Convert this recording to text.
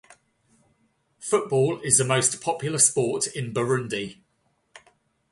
Football is the most popular sport in Burundi.